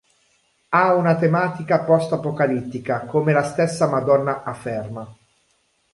Ha una tematica post-apocalittica, come la stessa Madonna afferma.